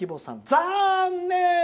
「残念！